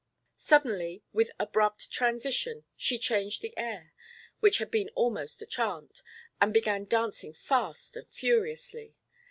Suddenly, with abrupt transition, she changed the air, which had been almost a chant, and began dancing fast and furiously.